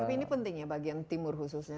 tapi ini penting ya bagian timur khususnya